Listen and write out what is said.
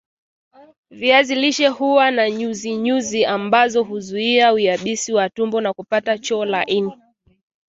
viazi lishe huwa na nyuzinyuzi ambazo huzuia uyabisi wa tumbo na kupata choo laini